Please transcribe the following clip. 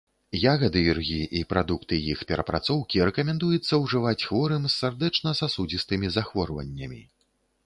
Ягады іргі і прадукты іх перапрацоўкі рэкамендуецца ўжываць хворым з сардэчна-сасудзістымі захворваннямі.